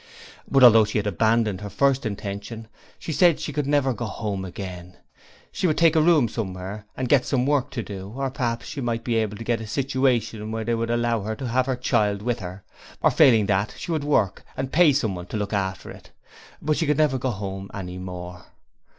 But although she had abandoned her first intention, she said she could never go home again; she would take a room somewhere and get some work to do, or perhaps she might be able to get a situation where they would allow her to have the child with her, or failing that she would work and pay someone to look after it; but she could never go home any more.